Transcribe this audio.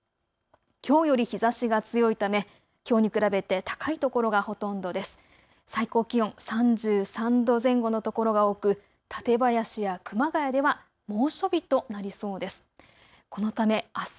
きょうより日ざしが強いためきょうに比べて高いところがほとんどです。